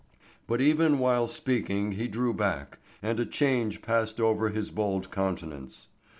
But even while speaking he drew back, and a change passed over his bold countenance.